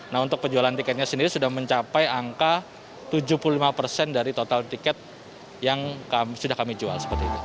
nah untuk penjualan tiketnya sendiri sudah mencapai angka tujuh puluh lima persen dari total tiket yang sudah kami jual seperti itu